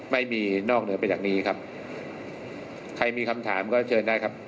ไม่มีนอกเหนือไปจากนี้ครับใครมีคำถามก็เชิญได้ครับ